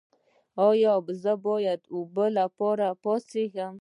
ایا زه باید د اوبو لپاره پاڅیږم؟